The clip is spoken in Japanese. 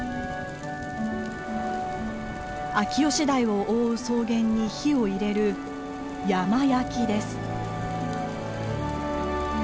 秋吉台を覆う草原に火を入れる山焼きです。